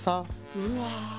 うわ。